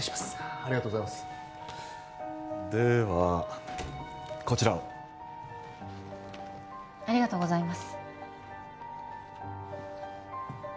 ありがとうございますではこちらをありがとうございます